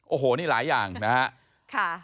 โอ้โหนี่หลายอย่างนะครับ